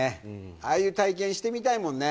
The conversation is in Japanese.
ああいう体験してみたいもんね。